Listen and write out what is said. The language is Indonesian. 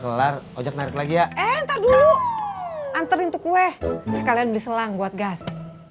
kelar ojek naik lagi ya entar dulu anterin tuh kue sekalian di selang buat gas